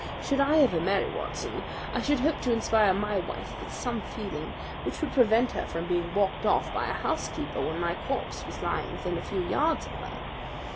Should I ever marry, Watson, I should hope to inspire my wife with some feeling which would prevent her from being walked off by a housekeeper when my corpse was lying within a few yards of her.